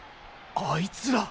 あいつら。